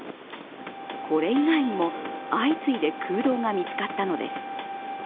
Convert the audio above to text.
これ以外にも相次いで空洞が見つかったのです。